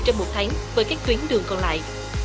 trong một tháng với các tuyến đường còn lại